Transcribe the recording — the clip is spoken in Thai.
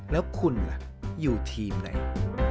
มันคือเรื่องที่ดีอะ